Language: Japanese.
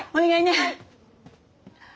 はい。